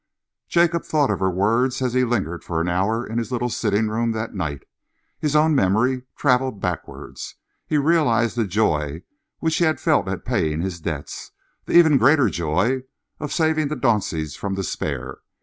Jacob thought of her words as he lingered for an hour in his little sitting room that night. His own memory travelled backwards. He realised the joy which he had felt at paying his debts, the even greater joy of saving the Daunceys from despair.